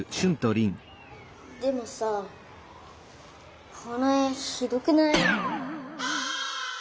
でもさこの絵ひどくない？